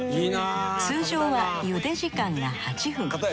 通常は茹で時間が８分。